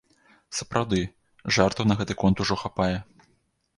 Сапраўды, жартаў на гэты конт ужо хапае.